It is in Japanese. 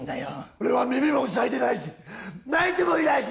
俺は耳も塞いでないし泣いてもいないし！